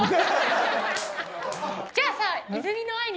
じゃあさ。